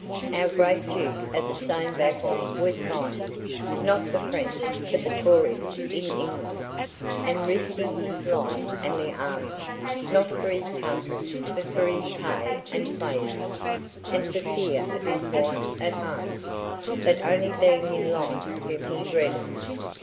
Our great Duke at the same battle was fighting, not the French, but the Tories in England; and risking his life and the army's, not for his country but for his pay and places; and for fear of his wife at home, that only being in life whom he dreaded.